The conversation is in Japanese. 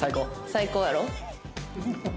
「最高やろ？」。